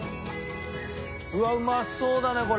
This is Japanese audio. うわっうまそうだねこれ。